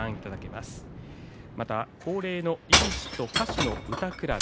また、恒例の力士と歌手の歌くらべ。